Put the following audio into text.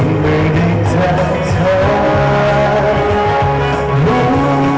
ขอบคุณทุกเรื่องราว